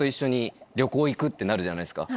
行くってなるじゃないっすか。